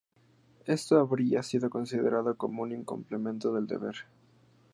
Esto habría sido considerado como un incumplimiento del deber.